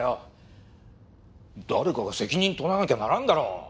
誰かが責任取らなきゃならんだろ。